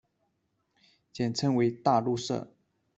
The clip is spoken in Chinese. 简称为大陆社。